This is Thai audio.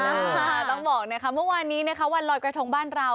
ต้องบอกนะคะเมื่อวานนี้นะคะวันลอยกระทงบ้านเรา